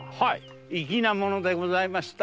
粋なものでございました。